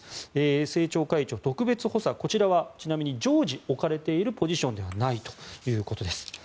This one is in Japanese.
政調会長特別補佐こちらはちなみに常時置かれているポジションではないということです。